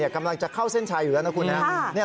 กำลังจะเข้าเส้นชัยอยู่แล้วนะคุณนะ